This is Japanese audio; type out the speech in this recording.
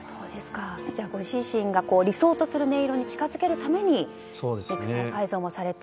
じゃあ、ご自身が理想とする音色に近づけるために肉体改造もされて。